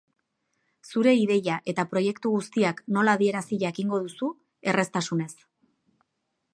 Zure ideia eta proiektu guztiak nola adierazi jakingo duzu erreztasunez.